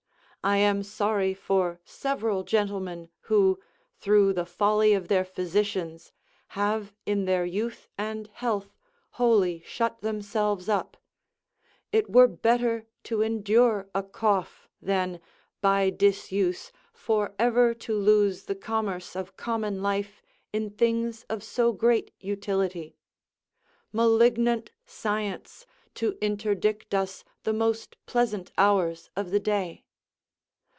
I am sorry for several gentlemen who, through the folly of their physicians, have in their youth and health wholly shut themselves up: it were better to endure a cough, than, by disuse, for ever to lose the commerce of common life in things of so great utility. Malignant science, to interdict us the most pleasant hours of the day!